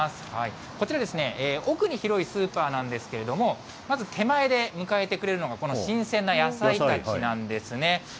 こちらですね、奥に広いスーパーなんですけれども、まず手前で迎えてくれるのが、この新鮮な野菜たちなんですね。